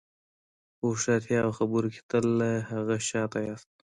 په هوښیارتیا او خبرو کې تل له هغه شاته یاست.